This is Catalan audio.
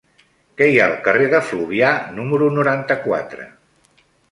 Què hi ha al carrer de Fluvià número noranta-quatre?